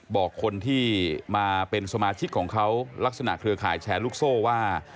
บอกคนที่มาเป็นสมาชิกของเขาลักษณะเครือข่ายแชร์ลูกโซ่ว่า